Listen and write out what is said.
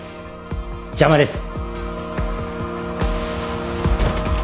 邪魔です。